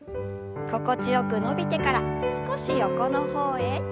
心地よく伸びてから少し横の方へ。